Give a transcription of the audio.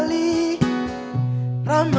kami akan mencoba